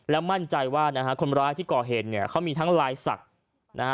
มั่นใจว่านะฮะคนร้ายที่ก่อเหตุเนี่ยเขามีทั้งลายศักดิ์นะฮะ